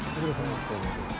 お疲れさまです。